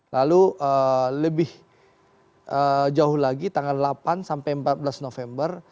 lalu lebih jauh lagi tanggal delapan sampai empat belas november